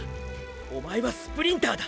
おまえはスプリンターだ！！